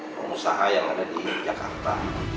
pengusaha yang ada di jakarta